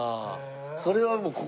それはもうここに。